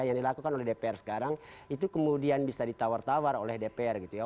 yang dilakukan oleh dpr sekarang itu kemudian bisa ditawar tawar oleh dpr gitu ya